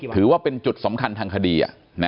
ถือว่าเป็นจุดสำคัญทางคดี